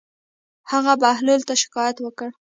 هغه بهلول ته شکايت وکړ.